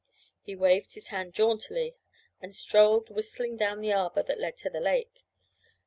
He waved his hand jauntily and strolled whistling down the arbour that led to the lake.